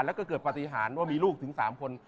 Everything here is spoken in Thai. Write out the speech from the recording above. แล้วก็เกิดปฏิหารว่ามีลูกถึง๓คน